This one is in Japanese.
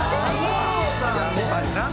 「やっぱりな」